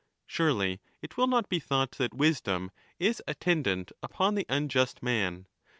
Surely it will not be thought that wisdom is attendant upon the unjust man.